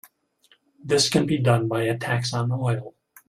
This can be done by a tax on oil.